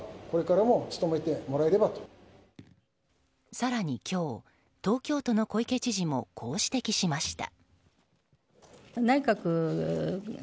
更に今日、東京都の小池知事もこう指摘しました。